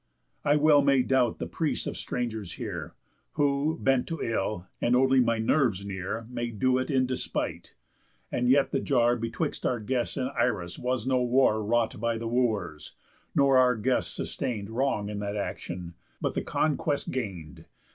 I well may doubt the prease of strangers here, Who, bent to ill, and only my nerves near, May do it in despite. And yet the jar Betwixt our guest and Irus was no war Wrought by the Wooers; nor our guest sustain'd Wrong in that action, but the conquest gain'd.